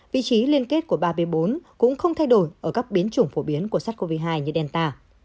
vị trí liên kết của ba b bốn cũng không thay đổi ở các biến chủng phổ biến của sars cov hai như delta